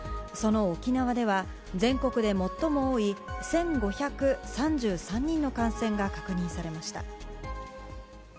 その沖縄では、全国で最も多い１５３３人の感染が確認されました。